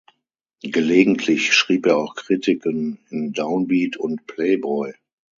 Gelegentlich schrieb er auch Kritiken in Down Beat und Playboy.